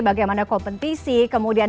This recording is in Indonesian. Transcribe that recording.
bagaimana kompetisi kemudian